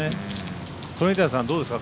鳥谷さん、どうですか？